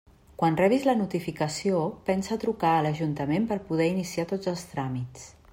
Quan rebis la notificació, pensa a trucar a l'ajuntament per poder iniciar tots els tràmits.